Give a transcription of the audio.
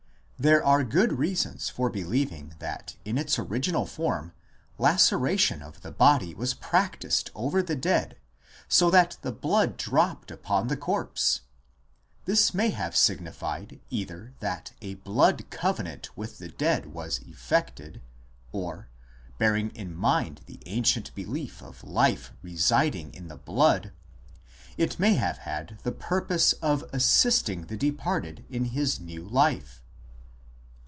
There are good reasons for believing that in its original form laceration of the body was prac tised over the dead so that the blood dropped upon the corpse ; this may have signified either that a blood covenant with the dead was effected, or, bearing in mind the ancient belief of life residing in the blood, it may have had the purpose of assisting the departed in his new life.